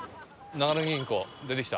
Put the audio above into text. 長野銀行出てきた。